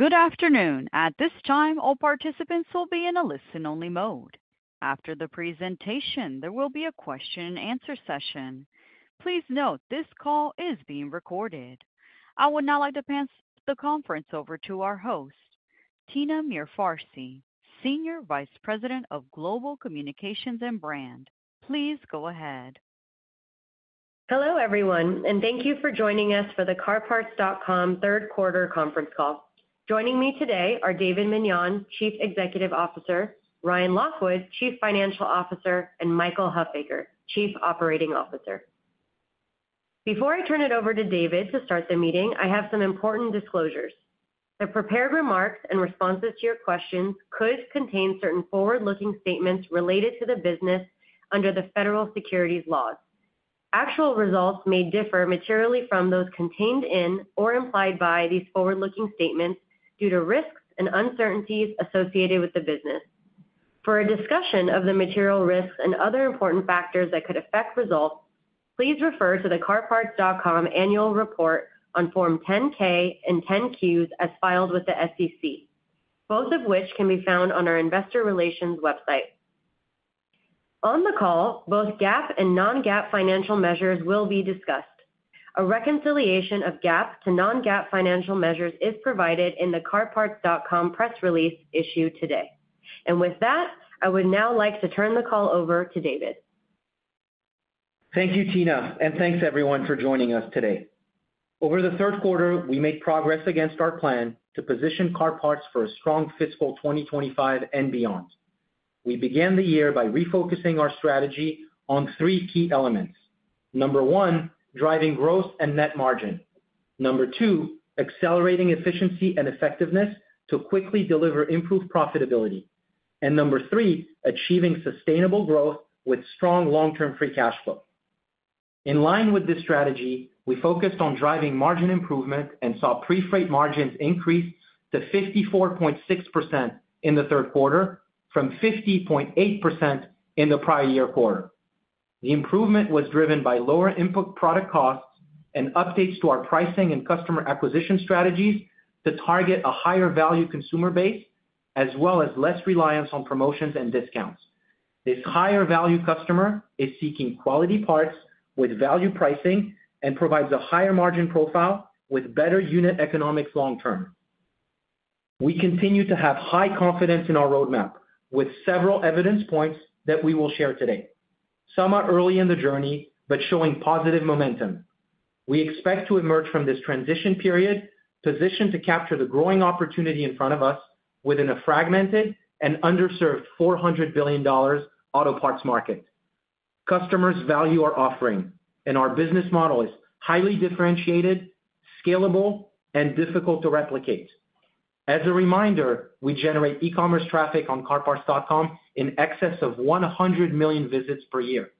Good afternoon. At this time, all participants will be in a listen-only mode. After the presentation, there will be a question-and-answer session. Please note this call is being recorded. I would now like to pass the conference over to our host, Tina Mirfarsi, Senior Vice President of Global Communications and Brand. Please go ahead. Hello, everyone, and thank you for joining us for the CarParts.com third-quarter conference call. Joining me today are David Meniane, Chief Executive Officer, Ryan Lockwood, Chief Financial Officer, and Michael Huffaker, Chief Operating Officer. Before I turn it over to David to start the meeting, I have some important disclosures. The prepared remarks and responses to your questions could contain certain forward-looking statements related to the business under the federal securities laws. Actual results may differ materially from those contained in or implied by these forward-looking statements due to risks and uncertainties associated with the business. For a discussion of the material risks and other important factors that could affect results, please refer to the CarParts.com annual report on Form 10-K and 10-Qs as filed with the SEC, both of which can be found on our investor relations website. On the call, both GAAP and non-GAAP financial measures will be discussed. A reconciliation of GAAP to non-GAAP financial measures is provided in the CarParts.com press release issued today. And with that, I would now like to turn the call over to David. Thank you, Tina, and thanks, everyone, for joining us today. Over the third quarter, we made progress against our plan to position CarParts.com for a strong fiscal 2025 and beyond. We began the year by refocusing our strategy on three key elements. Number one, driving growth and net margin. Number two, accelerating efficiency and effectiveness to quickly deliver improved profitability. And number three, achieving sustainable growth with strong long-term free cash flow. In line with this strategy, we focused on driving margin improvement and saw pre-freight margins increase to 54.6% in the third quarter from 50.8% in the prior year quarter. The improvement was driven by lower input product costs and updates to our pricing and customer acquisition strategies to target a higher-value consumer base, as well as less reliance on promotions and discounts. This higher-value customer is seeking quality parts with value pricing and provides a higher margin profile with better unit economics long-term. We continue to have high confidence in our roadmap, with several evidence points that we will share today. Some are early in the journey but showing positive momentum. We expect to emerge from this transition period positioned to capture the growing opportunity in front of us within a fragmented and underserved $400 billion auto parts market. Customers value our offering, and our business model is highly differentiated, scalable, and difficult to replicate. As a reminder, we generate e-commerce traffic on CarParts.com in excess of 100 million visits per year.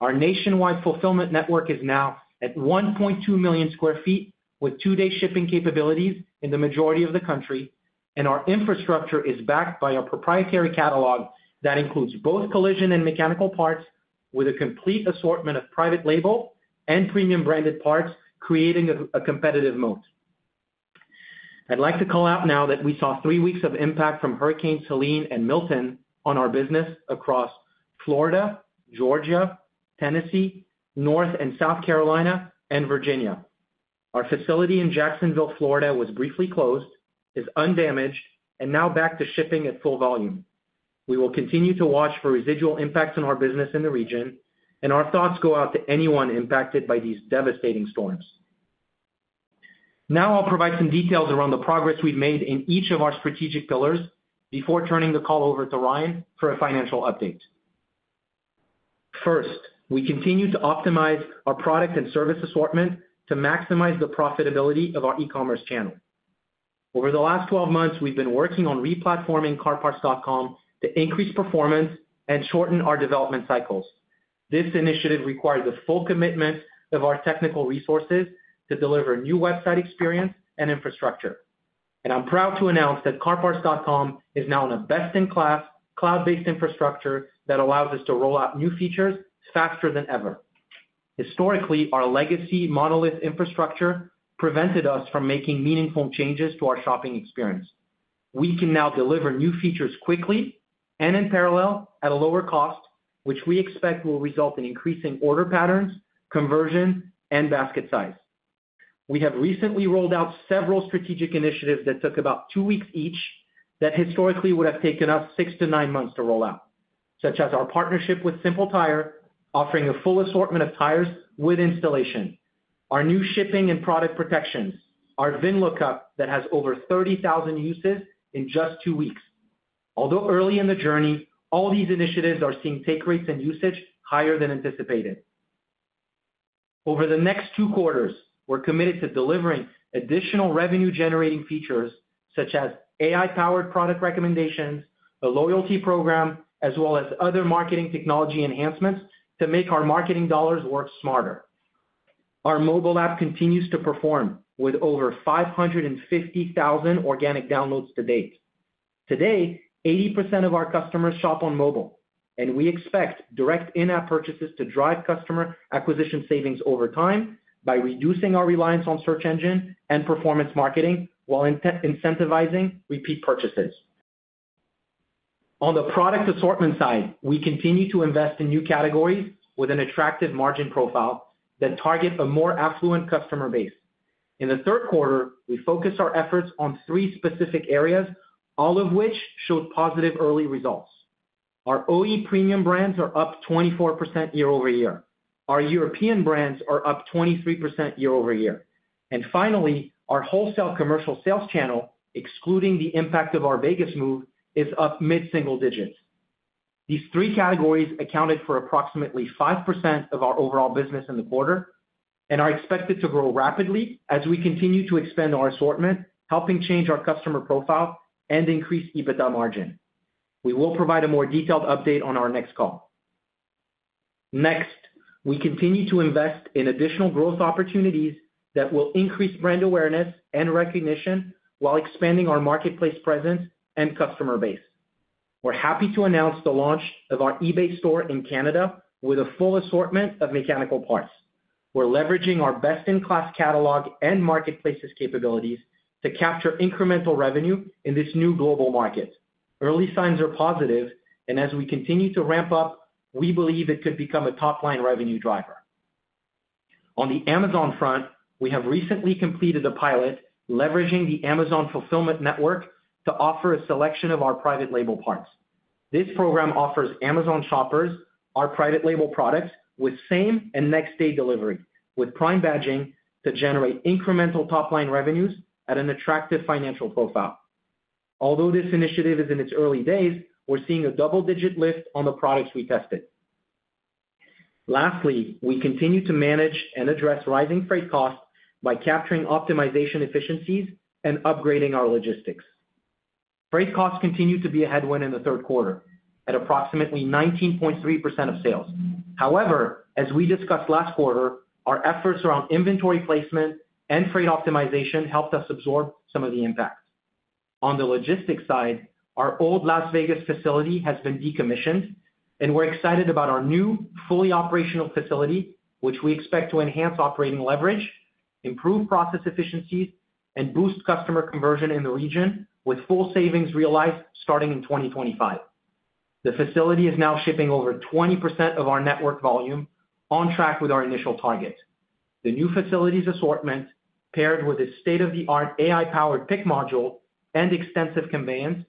Our nationwide fulfillment network is now at 1.2 million sq ft with two-day shipping capabilities in the majority of the country, and our infrastructure is backed by a proprietary catalog that includes both collision and mechanical parts with a complete assortment of private label and premium branded parts, creating a competitive moat. I'd like to call out now that we saw three weeks of impact from Hurricanes Helene and Milton on our business across Florida, Georgia, Tennessee, North and South Carolina, and Virginia. Our facility in Jacksonville, Florida, was briefly closed, is undamaged, and now back to shipping at full volume. We will continue to watch for residual impacts on our business in the region, and our thoughts go out to anyone impacted by these devastating storms. Now I'll provide some details around the progress we've made in each of our strategic pillars before turning the call over to Ryan for a financial update. First, we continue to optimize our product and service assortment to maximize the profitability of our e-commerce channel. Over the last 12 months, we've been working on re-platforming CarParts.com to increase performance and shorten our development cycles. This initiative required the full commitment of our technical resources to deliver new website experience and infrastructure, and I'm proud to announce that CarParts.com is now in a best-in-class cloud-based infrastructure that allows us to roll out new features faster than ever. Historically, our legacy monolith infrastructure prevented us from making meaningful changes to our shopping experience. We can now deliver new features quickly and in parallel at a lower cost, which we expect will result in increasing order patterns, conversion, and basket size. We have recently rolled out several strategic initiatives that took about two weeks each that historically would have taken us six to nine months to roll out, such as our partnership with SimpleTire offering a full assortment of tires with installation, our new shipping and product protections, our VIN lookup that has over 30,000 uses in just two weeks. Although early in the journey, all these initiatives are seeing take rates and usage higher than anticipated. Over the next two quarters, we're committed to delivering additional revenue-generating features such as AI-powered product recommendations, a loyalty program, as well as other marketing technology enhancements to make our marketing dollars work smarter. Our mobile app continues to perform with over 550,000 organic downloads to date. Today, 80% of our customers shop on mobile, and we expect direct in-app purchases to drive customer acquisition savings over time by reducing our reliance on search engine and performance marketing while incentivizing repeat purchases. On the product assortment side, we continue to invest in new categories with an attractive margin profile that target a more affluent customer base. In the third quarter, we focused our efforts on three specific areas, all of which showed positive early results. Our OE premium brands are up 24% year over year. Our European brands are up 23% year over year. And finally, our wholesale commercial sales channel, excluding the impact of our Vegas move, is up mid-single digits. These three categories accounted for approximately 5% of our overall business in the quarter and are expected to grow rapidly as we continue to expand our assortment, helping change our customer profile and increase EBITDA margin. We will provide a more detailed update on our next call. Next, we continue to invest in additional growth opportunities that will increase brand awareness and recognition while expanding our marketplace presence and customer base. We're happy to announce the launch of our eBay store in Canada with a full assortment of mechanical parts. We're leveraging our best-in-class catalog and marketplaces capabilities to capture incremental revenue in this new global market. Early signs are positive, and as we continue to ramp up, we believe it could become a top-line revenue driver. On the Amazon front, we have recently completed a pilot leveraging the Amazon Fulfillment Network to offer a selection of our private label parts. This program offers Amazon shoppers our private label products with same and next-day delivery with Prime badging to generate incremental top-line revenues at an attractive financial profile. Although this initiative is in its early days, we're seeing a double-digit lift on the products we tested. Lastly, we continue to manage and address rising freight costs by capturing optimization efficiencies and upgrading our logistics. Freight costs continue to be a headwind in the third quarter at approximately 19.3% of sales. However, as we discussed last quarter, our efforts around inventory placement and freight optimization helped us absorb some of the impact. On the logistics side, our old Las Vegas facility has been decommissioned, and we're excited about our new fully operational facility, which we expect to enhance operating leverage, improve process efficiencies, and boost customer conversion in the region with full savings realized starting in 2025. The facility is now shipping over 20% of our network volume, on track with our initial target. The new facility's assortment, paired with a state-of-the-art AI-powered pick module and extensive conveyance,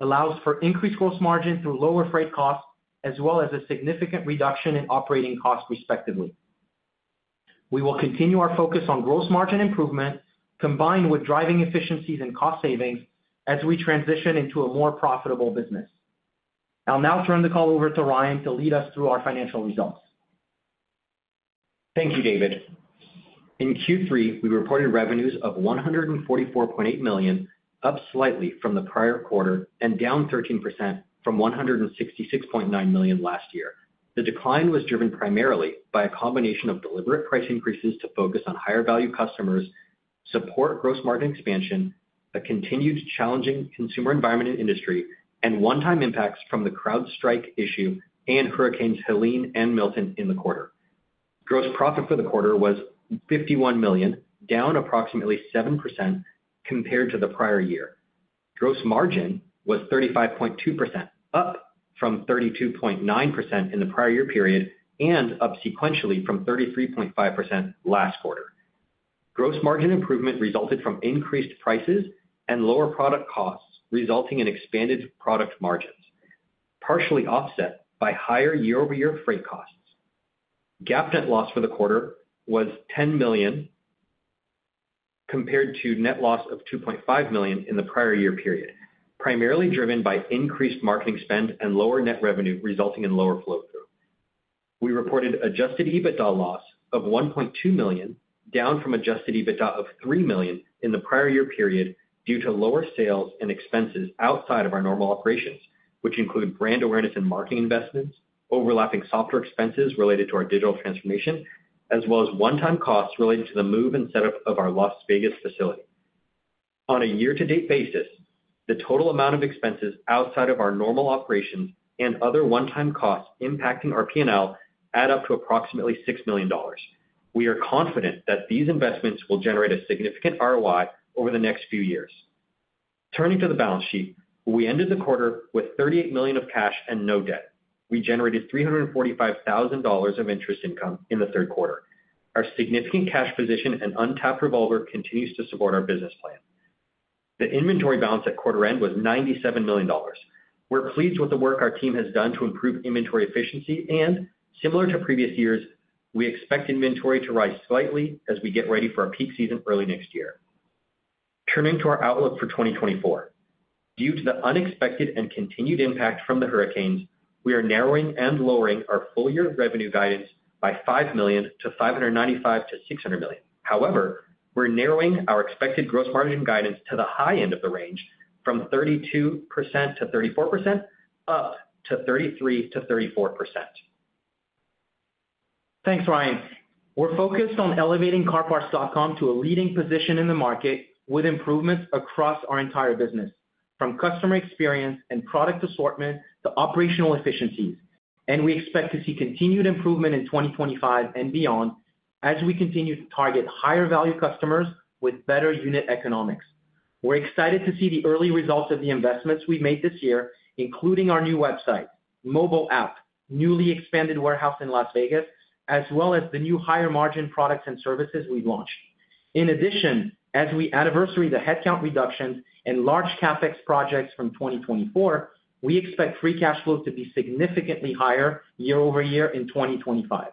allows for increased gross margin through lower freight costs as well as a significant reduction in operating costs, respectively. We will continue our focus on gross margin improvement combined with driving efficiencies and cost savings as we transition into a more profitable business. I'll now turn the call over to Ryan to lead us through our financial results. Thank you, David. In Q3, we reported revenues of $144.8 million, up slightly from the prior quarter and down 13% from $166.9 million last year. The decline was driven primarily by a combination of deliberate price increases to focus on higher-value customers, support gross margin expansion, a continued challenging consumer environment and industry, and one-time impacts from the CrowdStrike issue and Hurricanes Helene and Milton in the quarter. Gross profit for the quarter was $51 million, down approximately 7% compared to the prior year. Gross margin was 35.2%, up from 32.9% in the prior year period and up sequentially from 33.5% last quarter. Gross margin improvement resulted from increased prices and lower product costs, resulting in expanded product margins, partially offset by higher year-over-year freight costs. GAAP net loss for the quarter was $10 million compared to net loss of $2.5 million in the prior year period, primarily driven by increased marketing spend and lower net revenue resulting in lower flow-through. We reported adjusted EBITDA loss of $1.2 million, down from adjusted EBITDA of $3 million in the prior year period due to lower sales and expenses outside of our normal operations, which include brand awareness and marketing investments, overlapping software expenses related to our digital transformation, as well as one-time costs related to the move and setup of our Las Vegas facility. On a year-to-date basis, the total amount of expenses outside of our normal operations and other one-time costs impacting our P&L add up to approximately $6 million. We are confident that these investments will generate a significant ROI over the next few years. Turning to the balance sheet, we ended the quarter with $38 million of cash and no debt. We generated $345,000 of interest income in the third quarter. Our significant cash position and untapped revolver continues to support our business plan. The inventory balance at quarter end was $97 million. We're pleased with the work our team has done to improve inventory efficiency, and similar to previous years, we expect inventory to rise slightly as we get ready for our peak season early next year. Turning to our outlook for 2024, due to the unexpected and continued impact from the hurricanes, we are narrowing and lowering our full-year revenue guidance by $5 million to $595-$600 million. However, we're narrowing our expected gross margin guidance to the high end of the range from 32%-34% up to 33%-34%. Thanks, Ryan. We're focused on elevating CarParts.com to a leading position in the market with improvements across our entire business, from customer experience and product assortment to operational efficiencies, and we expect to see continued improvement in 2025 and beyond as we continue to target higher-value customers with better unit economics. We're excited to see the early results of the investments we've made this year, including our new website, mobile app, newly expanded warehouse in Las Vegas, as well as the new higher-margin products and services we've launched. In addition, as we anniversary the headcount reductions and large CapEx projects from 2024, we expect free cash flow to be significantly higher year-over-year in 2025.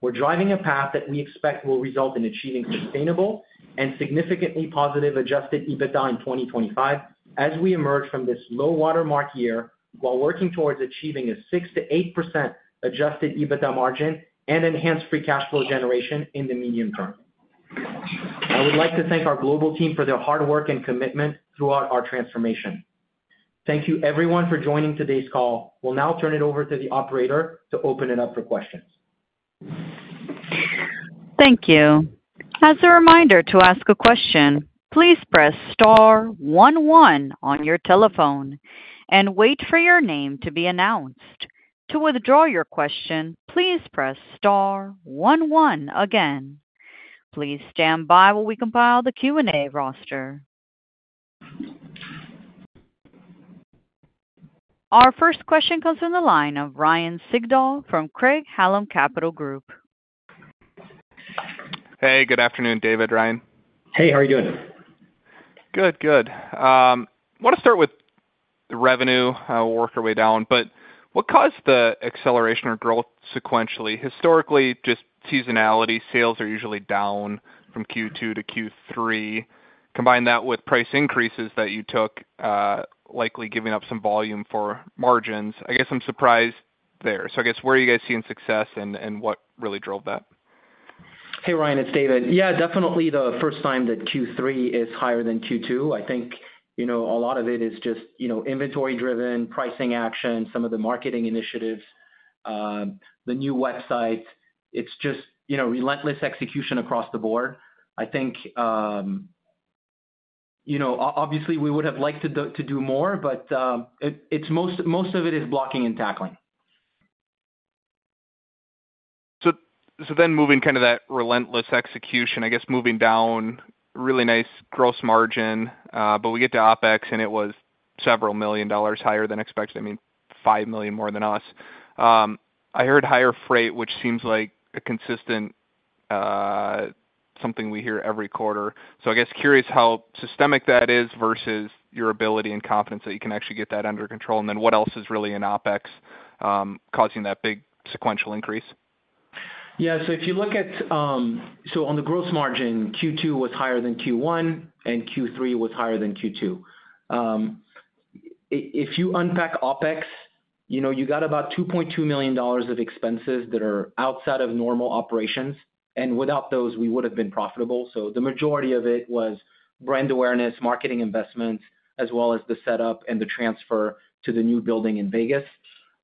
We're driving a path that we expect will result in achieving sustainable and significantly positive Adjusted EBITDA in 2025 as we emerge from this low-water mark year while working towards achieving a 6%-8% Adjusted EBITDA margin and enhanced free cash flow generation in the medium term. I would like to thank our global team for their hard work and commitment throughout our transformation. Thank you, everyone, for joining today's call. We'll now turn it over to the operator to open it up for questions. Thank you. As a reminder to ask a question, please press star 11 on your telephone and wait for your name to be announced. To withdraw your question, please press star 11 again. Please stand by while we compile the Q&A roster. Our first question comes from the line of Ryan Sigdahl from Craig-Hallum Capital Group. Hey, good afternoon, David, Ryan. Hey, how are you doing? Good, good. I want to start with revenue. We'll work our way down. But what caused the acceleration or growth sequentially? Historically, just seasonality. Sales are usually down from Q2 to Q3. Combine that with price increases that you took, likely giving up some volume for margins. I guess I'm surprised there. So I guess, where are you guys seeing success and what really drove that? Hey, Ryan, it's David. Yeah, definitely the first time that Q3 is higher than Q2. I think a lot of it is just inventory-driven, pricing action, some of the marketing initiatives, the new website. It's just relentless execution across the board. I think, obviously, we would have liked to do more, but most of it is blocking and tackling. So then, moving kind of that relentless execution, I guess, moving down, really nice gross margin, but we get to OpEx, and it was several million dollars higher than expected. I mean, $5 million more than us. I heard higher freight, which seems like a consistent something we hear every quarter. So I guess curious how systemic that is versus your ability and confidence that you can actually get that under control. And then what else is really in OpEx causing that big sequential increase? Yeah. So if you look at so on the gross margin, Q2 was higher than Q1, and Q3 was higher than Q2. If you unpack OpEx, you got about $2.2 million of expenses that are outside of normal operations, and without those, we would have been profitable. The majority of it was brand awareness, marketing investments, as well as the setup and the transfer to the new building in Vegas.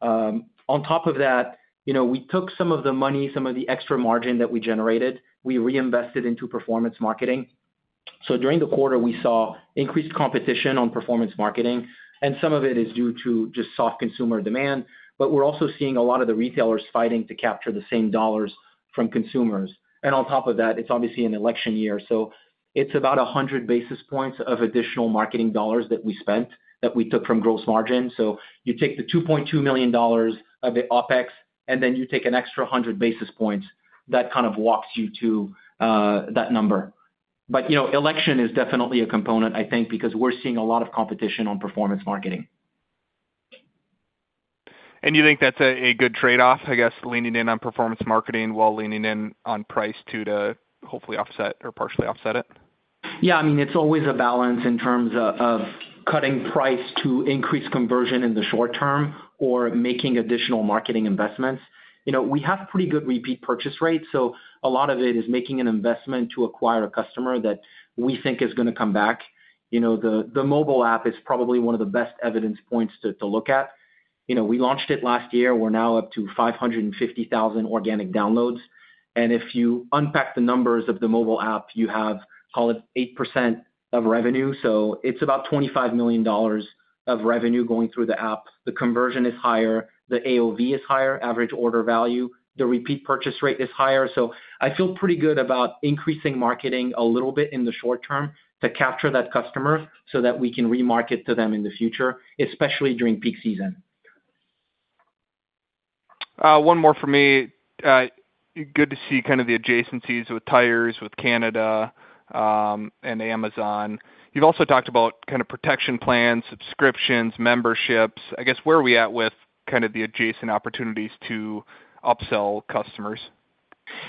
On top of that, we took some of the money, some of the extra margin that we generated. We reinvested into performance marketing. During the quarter, we saw increased competition on performance marketing. Some of it is due to just soft consumer demand. We're also seeing a lot of the retailers fighting to capture the same dollars from consumers. On top of that, it's obviously an election year. So it's about 100 basis points of additional marketing dollars that we spent that we took from gross margin. So you take the $2.2 million of the OpEx, and then you take an extra 100 basis points that kind of walks you to that number. But inflation is definitely a component, I think, because we're seeing a lot of competition on performance marketing. You think that's a good trade-off, I guess, leaning in on performance marketing while leaning in on price too to hopefully offset or partially offset it? Yeah. I mean, it's always a balance in terms of cutting price to increase conversion in the short term or making additional marketing investments. We have pretty good repeat purchase rates. So a lot of it is making an investment to acquire a customer that we think is going to come back. The mobile app is probably one of the best evidence points to look at. We launched it last year. We're now up to 550,000 organic downloads. And if you unpack the numbers of the mobile app, you have called it 8% of revenue. So it's about $25 million of revenue going through the app. The conversion is higher. The AOV is higher. Average order value. The repeat purchase rate is higher. So I feel pretty good about increasing marketing a little bit in the short term to capture that customer so that we can remarket to them in the future, especially during peak season. One more for me. Good to see kind of the adjacencies with tires, with Canada, and Amazon. You've also talked about kind of protection plans, subscriptions, memberships. I guess, where are we at with kind of the adjacent opportunities to upsell customers?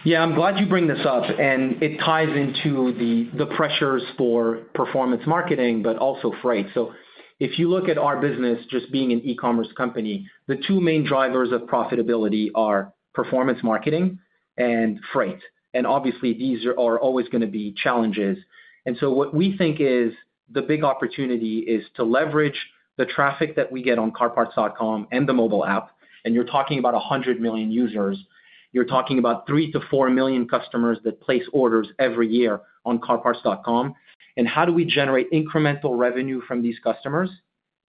Yeah. I'm glad you bring this up. And it ties into the pressures for performance marketing, but also freight. So if you look at our business just being an e-commerce company, the two main drivers of profitability are performance marketing and freight. And obviously, these are always going to be challenges. And so what we think is the big opportunity is to leverage the traffic that we get on CarParts.com and the mobile app. And you're talking about 100 million users. You're talking about 3-4 million customers that place orders every year on CarParts.com. And how do we generate incremental revenue from these customers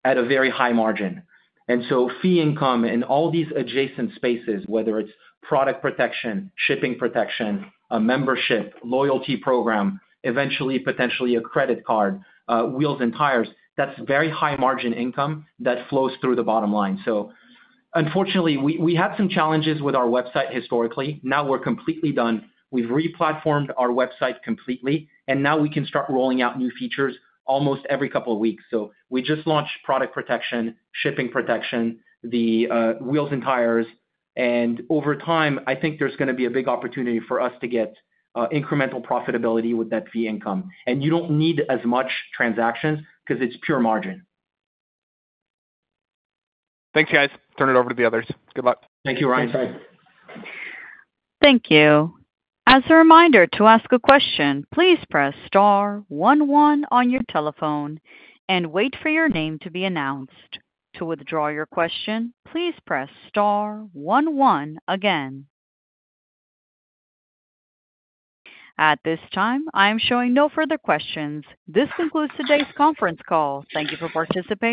at a very high margin? And so fee income and all these adjacent spaces, whether it's product protection, shipping protection, a membership, loyalty program, eventually, potentially a credit card, wheels and tires, that's very high margin income that flows through the bottom line. So unfortunately, we had some challenges with our website historically. Now we're completely done. We've replatformed our website completely. And now we can start rolling out new features almost every couple of weeks. So we just launched product protection, shipping protection, the wheels and tires. And over time, I think there's going to be a big opportunity for us to get incremental profitability with that fee income. And you don't need as much transactions because it's pure margin. Thanks, guys. Turn it over to the others. Good luck. Thank you, Ryan. Thank you. As a reminder to ask a question, please press star 11 on your telephone and wait for your name to be announced. To withdraw your question, please press star 11 again. At this time, I am showing no further questions. This concludes today's conference call. Thank you for participating.